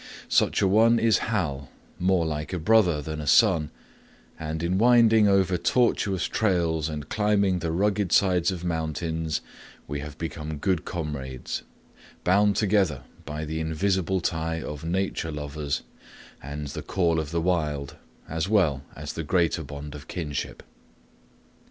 Such a one is Hal, more like a brother than a son, and in winding over tortuous trails and climbing the rugged sides of mountains we have become good comrades; bound together by the invisible tie of "Nature Lovers" and the "Call of the Wild," as well as the greater bond of kinship.